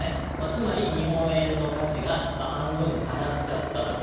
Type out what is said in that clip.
つまり日本円の価値が半分に下がっちゃったと。